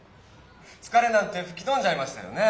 つかれなんてふきとんじゃいましたよね。